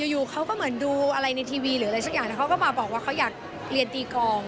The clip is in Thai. อยู่เขาก็เหมือนดูอะไรในทีวีหรืออะไรสักอย่างแล้วเขาก็มาบอกว่าเขาอยากเรียนตีกอง